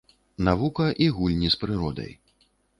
Навука і гульні з прыродай.